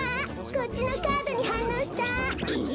こっちのカードにはんのうした。え？